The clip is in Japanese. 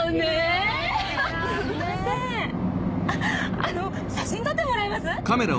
あの写真撮ってもらえます？